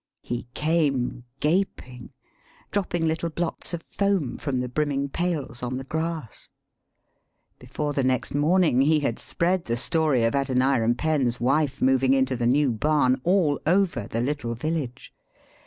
He came gaping, dropping little blots of foam from the brimming pails on the grass. Before the next morning he had spread the story of Adoniram Penn's wife mov ing into the new barn all over the little village.